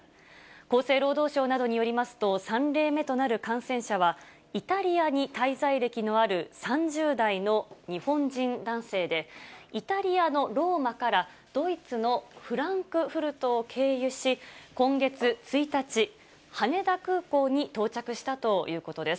厚生労働省などによりますと、３例目となる感染者は、イタリアに滞在歴のある３０代の日本人男性で、イタリアのローマからドイツのフランクフルトを経由し、今月１日、羽田空港に到着したということです。